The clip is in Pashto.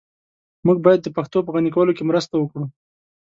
موږ بايد د پښتو په غني کولو کي مرسته وکړو.